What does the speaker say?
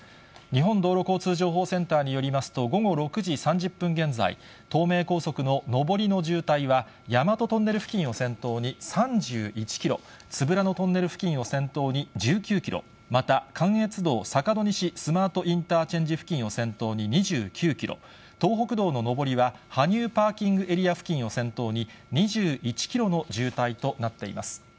日本道路交通情報センターによりますと、午後６時３０分現在、東名高速の上りの渋滞は、大和トンネル付近を先頭に３１キロ、都夫良野トンネル付近を先頭に１９キロ、また関越道坂戸西スマートインターチェンジ付近を先頭に２９キロ、東北道の上りは羽生パーキングエリア付近を先頭に２１キロの渋滞となっています。